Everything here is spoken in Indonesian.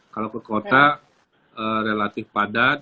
kalau ke kota relatif padat